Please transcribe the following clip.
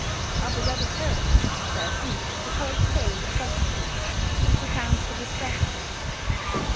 After that occurrence, says he, the Pope's toe was substituted, which accounts for this practice.